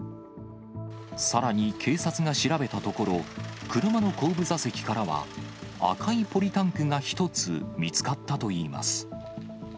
さらに警察が調べたところ、車の後部座席からは、赤いポリタンクが１つ、見つかったといいます。